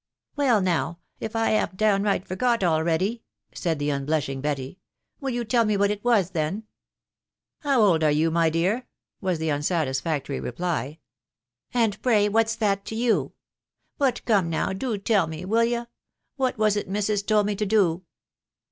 " Well now, if I hav'n't downright forgot already !" said the unblushing Betty. " Will you tell me what it was then ?"" How old are you, my dear ?" was the uasatisfactory reply. w And pray what's that to you ?••. But come now, do tell me, will y', what was it missus told me to do